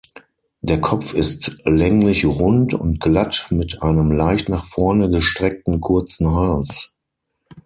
Der Kopf ist länglichrund und glatt mit einem leicht nach vorne gestreckten kurzen Hals.